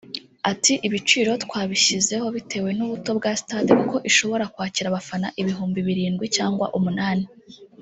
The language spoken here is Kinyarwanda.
Ati "Ibiciro twabishyizeho bitewe n’ubuto bwa stade kuko ishobora kwakira abafana ibihumbi birindwi cyangwa umunani